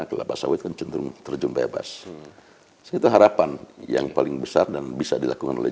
kelapa sawit kan cenderung terjun bebas itu harapan yang paling besar dan bisa dilakukan oleh